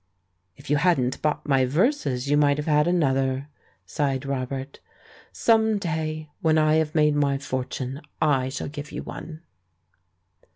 "If you hadn't bought my verses you might have had another," sighed Robert. "Some day, when I have made my fortune, I shall give you one."